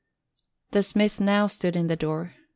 The smith now stood in the door.